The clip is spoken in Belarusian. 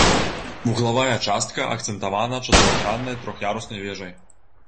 Вуглавая частка акцэнтавана чатырохграннай трох'яруснай вежай.